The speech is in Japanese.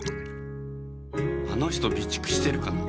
あの人備蓄してるかな？